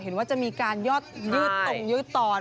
เห็นว่าจะมีการยอดยืดตรงยืดตอน